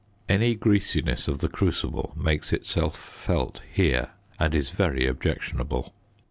Any greasiness of the crucible makes itself felt here and is very objectionable.